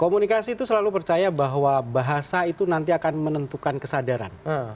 komunikasi itu selalu percaya bahwa bahasa itu nanti akan menentukan kesadaran